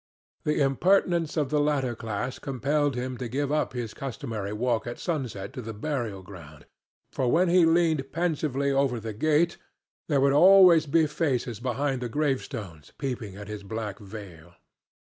The impertinence of the latter class compelled him to give up his customary walk at sunset to the burial ground; for when he leaned pensively over the gate, there would always be faces behind the gravestones peeping at his black veil.